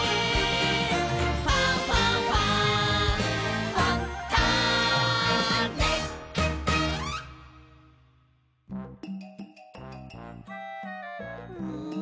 「ファンファンファン」ん。